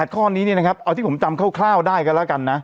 ข้อนี้เนี่ยนะครับเอาที่ผมจำคร่าวได้กันแล้วกันนะ